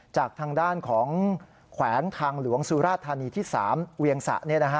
จากทางด้านของแขวงทางหลวงสุราธานีที่๓เวียงสะ